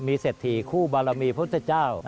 มีเสถีคู่บารมีพระพุทธเจ้า